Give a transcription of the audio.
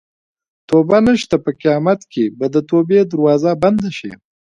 توبه نشته په قیامت کې به د توبې دروازه بنده شي.